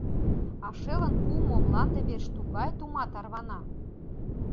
А шелын пуымо мланде верч тугай тума тарвана.